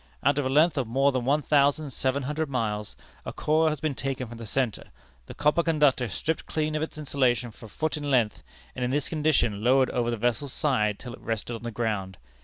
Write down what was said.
Out of a length of more than one thousand seven hundred miles, a coil has been taken from the centre, the copper conductor stripped clean of its insulation for a foot in length, and in this condition lowered over the vessel's side till it rested on the ground.